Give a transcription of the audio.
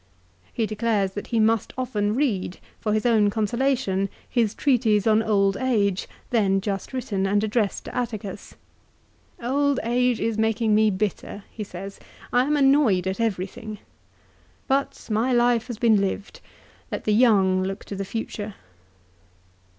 He declares that he must often read, for his own consolation, his treatise on old age, then just written and addressed to Atticus. "Old age is making me bitter," he says. " I am annoyed at everything. But my life has been lived. Let the young look to the future."